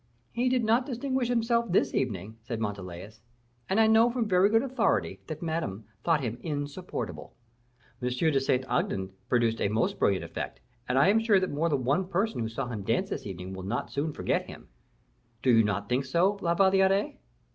"He did not distinguish himself this evening," said Montalais; "and I know from very good authority that Madame thought him insupportable." "M. de Saint Aignan produced a most brilliant effect, and I am sure that more than one person who saw him dance this evening will not soon forget him. Do you not think so, La Valliere?"